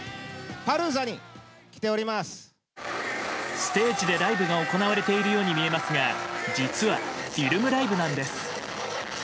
ステージでライブが行われているように見えますが実は、フィルムライブなんです。